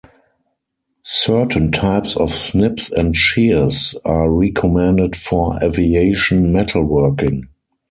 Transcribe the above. Certain types of snips and shears are recommended for aviation metalworking.